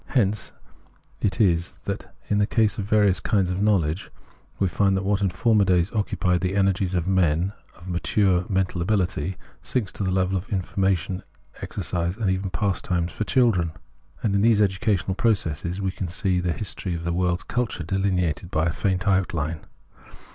Hence it is that, in the case of various kinds of knowledge, we find that what in former days occupied the energies of men of mature mental ability sinks to the level of information, exercises, and even pastimes for children ; and in this educational progress we can see the history of the world's culture deUneated in faint outhne.